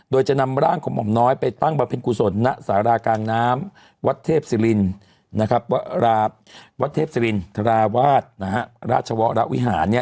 โดยจะนำร่างของหม่อมน้อยไปตั้งประเภทกุศลณะสารากลางน้ำวัดเทพศิรินทราวาสราชวรวิหาร